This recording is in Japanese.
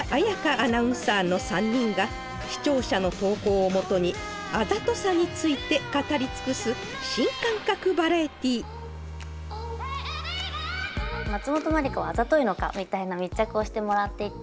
アナウンサーの３人が視聴者の投稿をもとにあざとさについて語り尽くす新感覚バラエティー「松本まりかはあざといのか」みたいな密着をしてもらっていて。